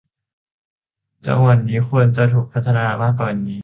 จังหวัดนี้ควรจะถูกพัฒนามากกว่านี้